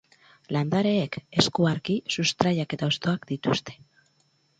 Landareek, eskuarki, sustraiak eta hostoak dituzte.